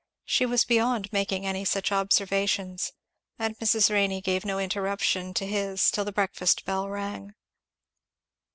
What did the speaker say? She was beyond making any such observations; and Mrs. Renney gave no interruption to his till the breakfast bell rang.